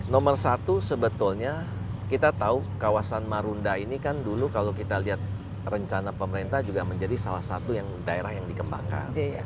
nomor satu sebetulnya kita tahu kawasan marunda ini kan dulu kalau kita lihat rencana pemerintah juga menjadi salah satu yang daerah yang dikembangkan